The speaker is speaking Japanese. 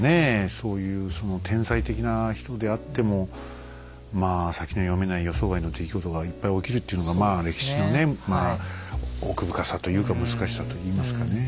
そういうその天才的な人であってもまあ先の読めない予想外の出来事がいっぱい起きるっていうのがまあ歴史のねまあ奥深さというか難しさといいますかねえ。